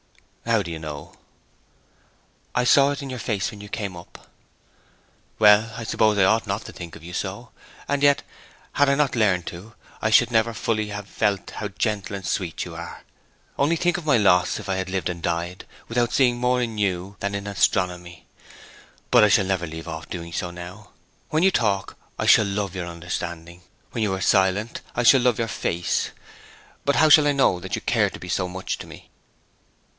'How did you know?' 'I saw it in your face when you came up.' 'Well, I suppose I ought not to think of you so. And yet, had I not learned to, I should never fully have felt how gentle and sweet you are. Only think of my loss if I had lived and died without seeing more in you than in astronomy! But I shall never leave off doing so now. When you talk I shall love your understanding; when you are silent I shall love your face. But how shall I know that you care to be so much to me?'